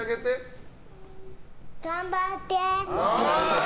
頑張って！